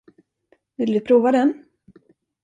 Vill du prova den?